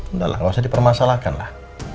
udah lah gak usah dipermasalahkan lah